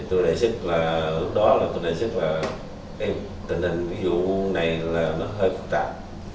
tôi đề xuất là hướng đó là tôi đề xuất là tình hình vụ này là nó hơi phức tạp